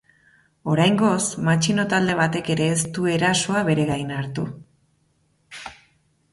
Oraingoz, matxino talde batek ere ez du erasoa bere gain hartu.